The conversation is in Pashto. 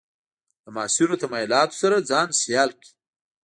له معاصرو تمایلاتو سره ځان سیال کړي.